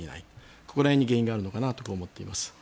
ここら辺に原因があるのかなと思っています。